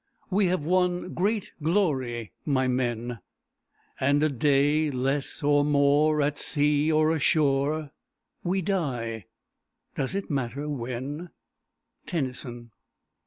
We have won great glory, my men! And a day less or more At sea or ashore, We die does it matter when? Tennyson.